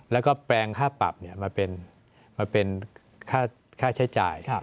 แล้วก็แปลงค่าปรับมาเป็นค่าใช้จ่าย